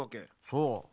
そう。